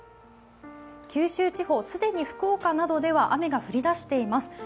九州地方、既に福岡などでは雨が降りだしています。